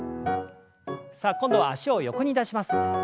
さあ今度は脚を横に出します。